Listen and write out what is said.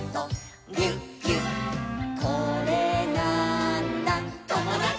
「これなーんだ『ともだち！』」